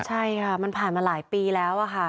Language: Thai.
ใช่ค่ะมันผ่านมาหลายปีแล้วค่ะ